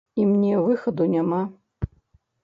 І мне выхаду няма.